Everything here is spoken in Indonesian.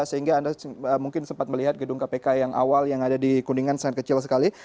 sehingga anda mungkin sempat melihat gedung kpk yang awal yang ada di kuningan sangat kecil sekali